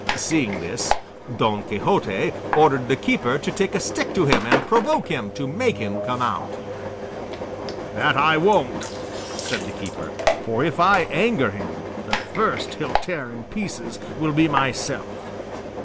Seeing this, Don Quixote ordered the keeper to take a stick to him and provoke him to make him come out. "That I won't," said the keeper; "for if I anger him, the first he'll tear in pieces will be myself.